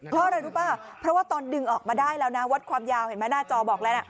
เพราะอะไรรู้ป่ะเพราะว่าตอนดึงออกมาได้แล้วนะวัดความยาวเห็นไหมหน้าจอบอกแล้วนะ